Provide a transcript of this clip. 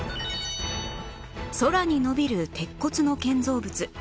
空に伸びる鉄骨の建造物